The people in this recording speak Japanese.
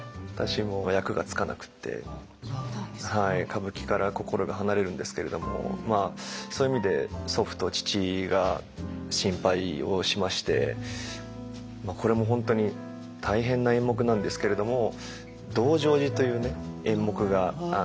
歌舞伎から心が離れるんですけれどもそういう意味で祖父と父が心配をしましてこれも本当に大変な演目なんですけれども「道成寺」というね演目が。